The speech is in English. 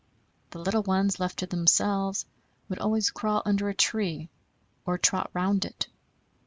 The little ones, left to themselves, would always crawl under a tree, or trot round it.